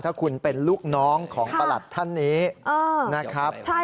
ถ้าคุณเป็นลูกน้องของตลาดท่านนี้